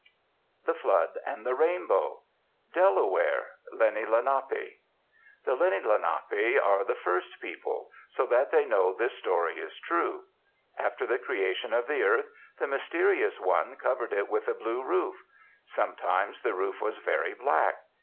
THE FLOOD AND THE RAINBOW Delaware (Lenni Lenapi) The Lenni Lenapi are the First People, so that they know this story is true. After the Creation of the earth, the Mysterious One covered it with a blue roof. Sometimes the roof was very black.